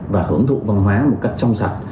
và hưởng thụ văn hóa một cách trong sạch